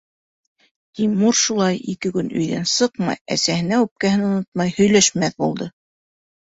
Тимур шулай ике көн өйҙән сыҡмай, әсәһенә үпкәһен онотмай, һөйләшмәҫ булды.